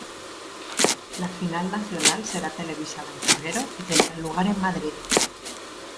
La final nacional será televisada en febrero y tendrá lugar en Madrid.